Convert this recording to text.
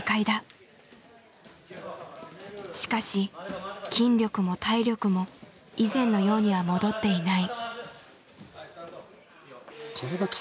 しかし筋力も体力も以前のようには戻っていない。